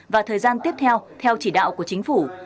và thời gian tiếp theo theo chỉ đạo của chính phủ